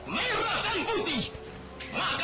masih mempunyai darah merah